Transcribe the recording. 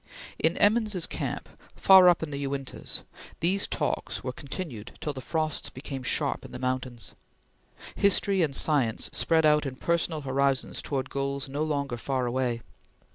In Emmons's camp, far up in the Uintahs, these talks were continued till the frosts became sharp in the mountains. History and science spread out in personal horizons towards goals no longer far away.